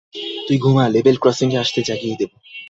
তুই ঘুমা, level crossing এ আসলে জাগিয়ে দেব।